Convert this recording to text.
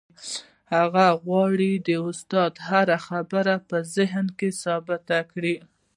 هغه غواړي د استاد هره خبره په ذهن کې ثبت کړي.